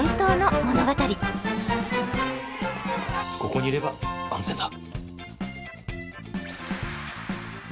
ここにいれば安全だ。